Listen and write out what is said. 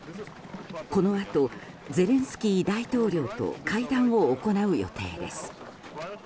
このあと、ゼレンスキー大統領と会談を行う予定です。